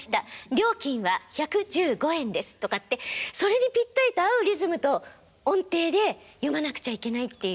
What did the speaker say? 料金は１１５円です」とかってそれにぴったりと合うリズムと音程で読まなくちゃいけないっていう。